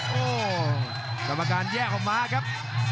โอ้จำการแยกของม้าครับ